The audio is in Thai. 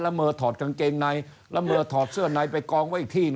ร่ำเมอถอดกางเกงในร่ำเมอถอดเสื้อในไปกองไว้อีกทิ่ง